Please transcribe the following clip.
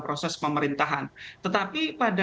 proses pemerintahan tetapi pada